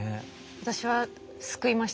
私は救いました。